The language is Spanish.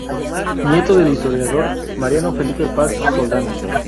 Nieto del historiador Mariano Felipe Paz Soldán.